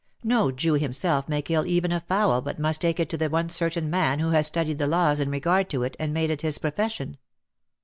No Jew himself may kill even a fowl but must take it to the one certain man who has studied the laws in regard to it and made it his profession.